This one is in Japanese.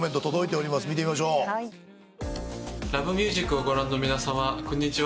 『Ｌｏｖｅｍｕｓｉｃ』をご覧の皆さまこんにちは。